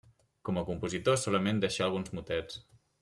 Com a compositor solament deixà alguns motets.